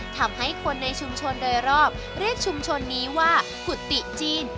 ทำให้คนในชุมชนโดยรอบเรียกชุมชนนี้ว่ากุฏิจีน